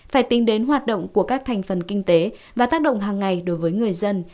phải tính đến hoạt động của các thành phần kinh tế và tác động hàng ngày đối với người dân